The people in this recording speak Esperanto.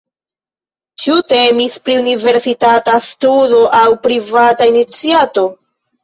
Ĉu temis pri universitata studo aŭ privata iniciato?